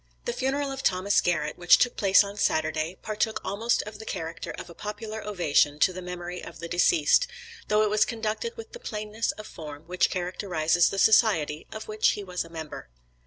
The funeral of Thomas Garrett, which took place on Saturday, partook almost of the character of a popular ovation to the memory of the deceased, though it was conducted with the plainness of form which characterizes the society of which he was a member.